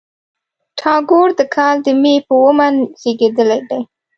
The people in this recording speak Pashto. ټاګور د کال د مۍ په اوومه زېږېدلی دی.